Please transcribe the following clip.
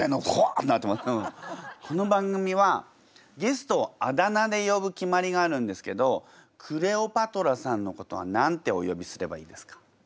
この番組はゲストをあだ名で呼ぶ決まりがあるんですけどクレオパトラさんのことは何てお呼びすればいいですか？